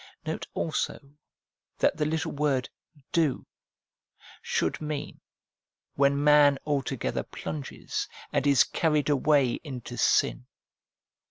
Note also that the little word 1 do ' should mean, when man altogether plunges and is carried away into sin.